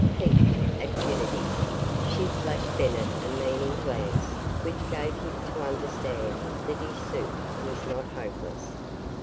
Piqued, at Kennedy, she flashed Bennett a meaning glance which gave him to understand that his suit was not hopeless.